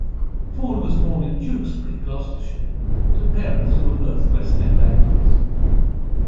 Ford was born in Tewkesbury, Gloucestershire to parents who were both West End actors.